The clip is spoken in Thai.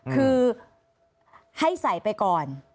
คือให้ใส่ไปก่อน